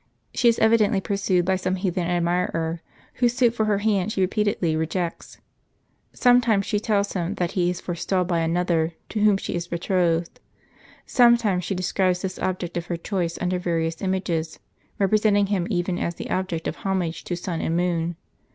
She is evidently pursued by some heathen admirer, whose suit for her hand she repeatedly rejects. Sometimes she tells him that he is forestalled by another, to whom she is betrothed ; sometimes she describes this object of her choice under various images, representing him even as the object of homage to sun and moon.